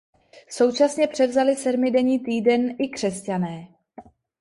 Současně převzali sedmidenní týden i křesťané.